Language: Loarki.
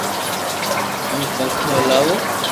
ھون پنکو ھلاو